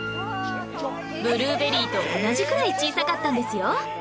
ブルーベリーと同じくらい小さかったんですよ